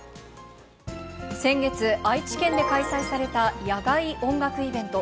先月、愛知県で開催された野外音楽イベント。